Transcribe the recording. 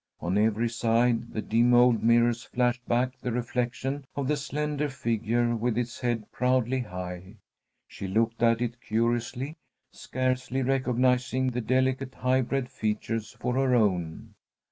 On every side the dim old mirrors flashed back the reflection of the slender figure with its head proudly high. She looked at it curiously, scarcely recognizing the delicate, high bred features for her own.